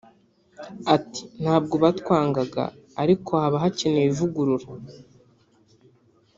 Ati “Ntabwo batwangaga ariko haba hakenewe ivugurura